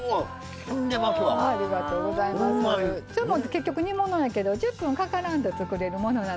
結局煮物やけど１０分かからんと作れるものなのでね